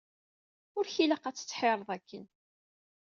Ur k-ilaq ad tettḥireḍ akken.